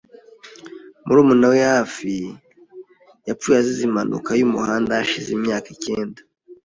Murumuna we hafi yapfuye azize impanuka yumuhanda hashize imyaka icyenda .